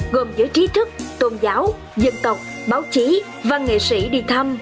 gồm giữa trí thức tôn giáo dân tộc báo chí và nghệ sĩ đi thăm